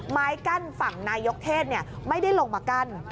ไม้กั้นฝั่งนายกเทศไม่ได้ลงมากั้น